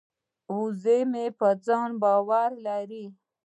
وزه مې په ځان باور لري.